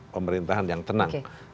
pemerintahan yang tenang